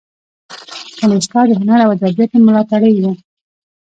کنیشکا د هنر او ادبیاتو ملاتړی و